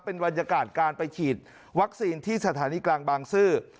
เป็นบรรยากาศการไปฉีดวัคซีนที่สถานีกลางบางซื่อ